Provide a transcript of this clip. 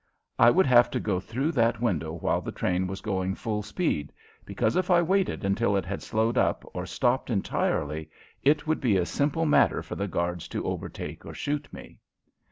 I would have to go through that window while the train was going full speed, because if I waited until it had slowed up or stopped entirely, it would be a simple matter for the guards to overtake or shoot me.